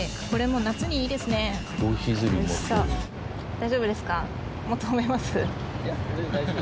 大丈夫ですか？